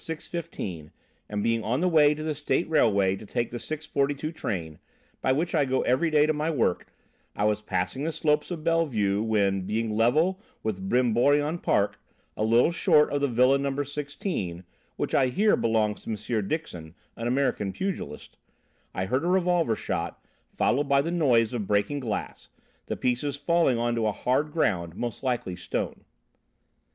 15 and being on the way to the State Railway to take the 6.42 train, by which I go every day to my work, I was passing the slopes of Bellevue, when, being level with Brimborion Park, a little short of the villa number 16, which I hear belongs to M. Dixon, an American pugilist, I heard a revolver shot followed by the noise of breaking glass, the pieces falling on to a hard ground, most likely stone.